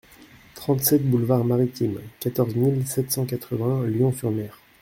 trente-sept boulevard Maritime, quatorze mille sept cent quatre-vingts Lion-sur-Mer